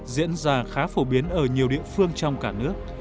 diễn ra khá phổ biến ở nhiều địa phương trong cả nước